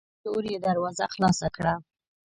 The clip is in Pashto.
په زور یې دروازه خلاصه کړه